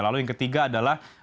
lalu yang ketiga adalah